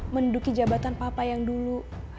menduki jabatan papa yang dulu